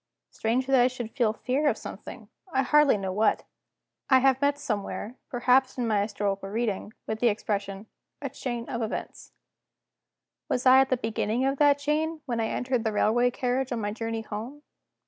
Strange that I should feel fear of something I hardly know what! I have met somewhere (perhaps in my historical reading) with the expression: "A chain of events." Was I at the beginning of that chain, when I entered the railway carriage on my journey home?